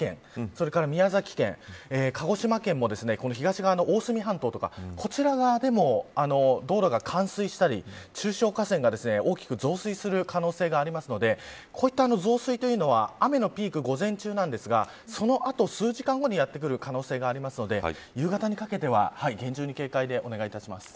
それから宮崎県、鹿児島県も東側の大隅半島とかこちら側でも道路が冠水したり中小河川が大きく増水する可能性があるのでこういった増水というのは雨のピークは、午前中ですがそのあと数時間後にやってくる可能性があるので夕方にかけては厳重に警戒でお願いします。